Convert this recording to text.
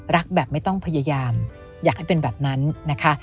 รักแบบไม่ต้องพยายามอยากให้เป็นแบบนั้นนะคะ